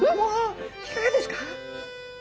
いかがですか？